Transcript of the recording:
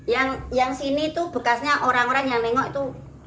yang sini tuh bekasnya orang orang yang nengok itu